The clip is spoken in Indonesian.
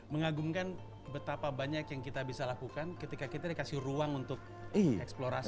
mengagumkan betapa banyak yang kita bisa lakukan ketika kita dikasih ruang untuk eksplorasi